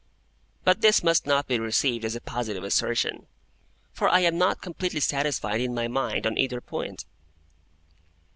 But this must not be received as a positive assertion, for I am not completely satisfied in my mind on either point.